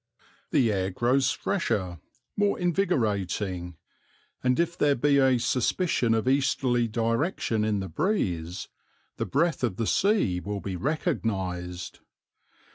The air grows fresher, more invigorating, and if there be a suspicion of easterly direction in the breeze the breath of the sea will be recognized.